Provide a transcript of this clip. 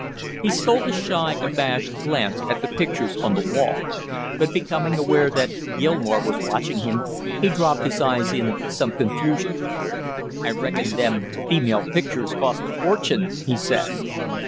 He stole a shy abashed glance at the pictures on the wall, but becoming aware that Gilmore was watching him, he dropped his eyes in some confusion. "I reckon' them female pictures cost a fortune!" he said.